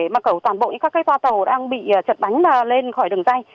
mà cẩu toàn bộ các cái toà tàu đang bị chật bánh lên khỏi đường dây